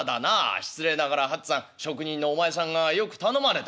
失礼ながら八っつぁん職人のお前さんがよく頼まれたね」。